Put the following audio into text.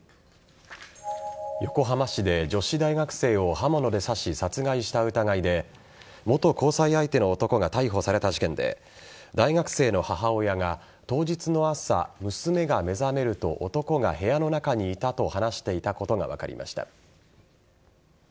横浜市で女子大学生を刃物で刺し、殺害した疑いで元交際相手の男が逮捕された事件で大学生の母親が当日の朝娘が目覚めると、男が部屋の中にいたと話していたことが分かりました。